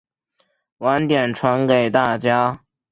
晚点传给大家